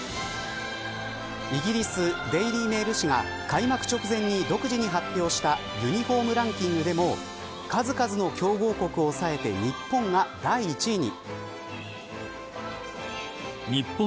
イギリスデイリー・メール紙が開幕直前に独自に発表したユニホームランキングでも数々の強豪国を押さえて日本が第１位に。